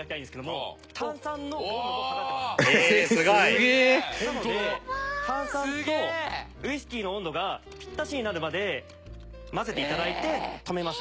すげえ！なので炭酸とウイスキーの温度がピッタシになるまで混ぜて頂いて止めます。